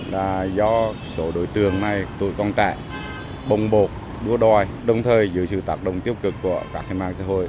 một đối tượng này tuổi con tẻ bồng bột búa đòi đồng thời giữ sự tạc động tiêu cực của các hành mạng xã hội